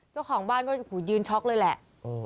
เจ้าของบ้านก็ยืนช็อกเลยแหละ